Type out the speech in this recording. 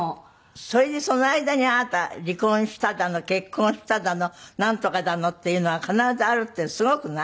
それでその間にあなた離婚しただの結婚しただのナントカだのっていうのが必ずあるってすごくない？